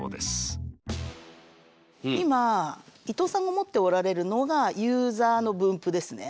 今伊藤さんが持っておられるのがユーザーの分布ですね。